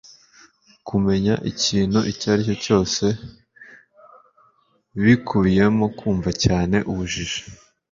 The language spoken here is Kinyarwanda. kumenya ikintu icyo ari cyo cyose bikubiyemo kumva cyane ubujiji